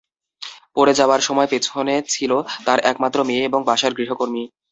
পড়ে যাওয়ার সময় পেছনে ছিল তাঁর একমাত্র মেয়ে এবং বাসার গৃহকর্মী।